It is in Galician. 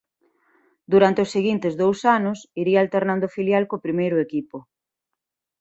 Durante os seguintes dous anos iría alternando o filial co primeiro equipo.